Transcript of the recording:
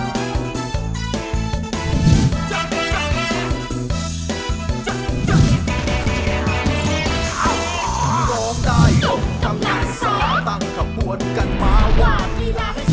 ตั้งขบวนกันมาว่ามีละ